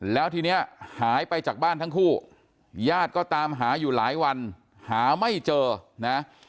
แล้วทีนี้หายไปจากบ้านทั้งคู่ญาติก็ตามหาอยู่หลายวันหาไม่เจอนะ